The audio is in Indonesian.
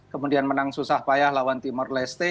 kemudian menang susah payah lawan timur leste